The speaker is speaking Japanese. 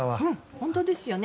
本当ですよね。